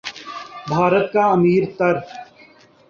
بھارت کا امیر تر